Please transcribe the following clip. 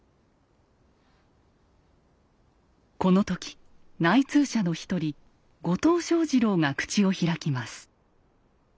この時内通者の１人後藤象二郎が口を開きます。